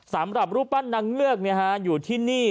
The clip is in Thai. สำหรับรูปปั้นนางเงือกอยู่ที่นี่